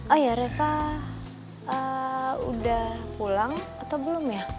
oh ya reva udah pulang atau belum ya